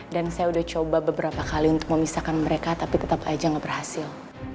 dan saya sudah coba beberapa kali untuk memisahkan mereka tapi tetap aja enggak berhasil